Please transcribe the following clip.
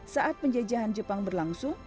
saat penjajahan jepang berlangsung